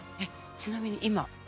ちなみに今え？